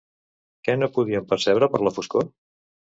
Què no podien percebre per la foscor?